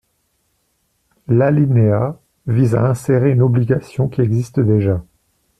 L’alinéa vise à insérer une obligation qui existe déjà.